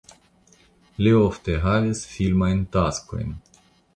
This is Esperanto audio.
Li ofte havis filmajn taskojn.